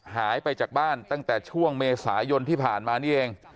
หายไปจากบ้านตั้งแต่ช่วงเมษายนที่ผ่านมานี่เอง